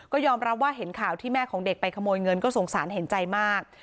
ก็ยอมรับว่าเห็นข่าวที่แม่ของเด็กไปขโมยเงินก็สงสารเห็นใจมาก